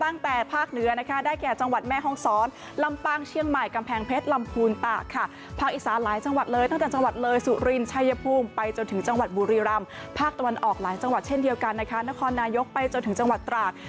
นครนายกไปจนถึงจังหวัดตราก